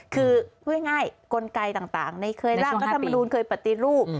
คือพูดง่ายกลไกต่างในเคยร่างรัฐมนูลเคยปฏิรูป